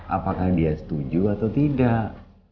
apakah dia setuju atau tidak